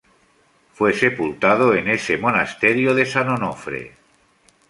Fue sepultado en ese monasterio de San Onofre.